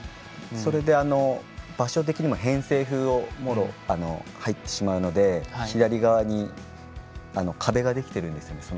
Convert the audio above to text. それで、場所的にも偏西風が入ってしまうので左側に壁ができているんですよね